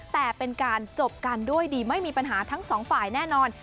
แต่เป็นการจบกันด้วยดีไม่มีปัญหาทั้งสองฝ่ายแน่นอน